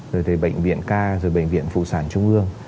rồi từ bệnh viện ca rồi bệnh viện phụ sản trung ương